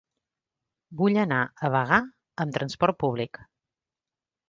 Vull anar a Bagà amb trasport públic.